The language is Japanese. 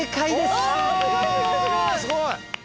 すごい！